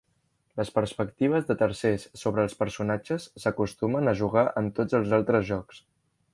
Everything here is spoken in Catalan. Les perspectives de tercers sobre els personatges s'acostumen a jugar en tots els altres jocs.